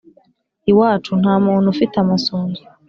«iwacu nta muntu ufite amasunzu,